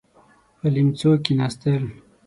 پر ليمڅو کېناستل.